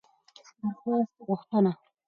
درخواست √غوښتنه